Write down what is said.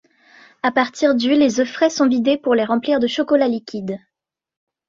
À partir du les œufs frais sont vidés pour les remplir de chocolat liquide.